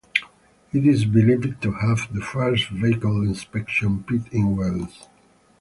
It is believed to have the first vehicle inspection pit in Wales.